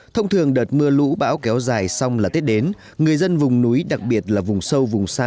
thông thường đợt mưa lũ bão kéo dài xong là tết đến người dân vùng núi đặc biệt là vùng sâu vùng xa